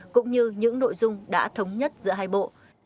cũng như những nội dung đã thống nhất giữa hai bộ